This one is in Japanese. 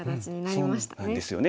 そうなんですよね。